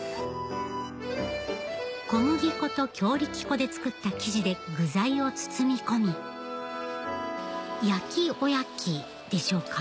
小麦粉と強力粉で作った生地で具材を包み込み焼きおやきでしょうか？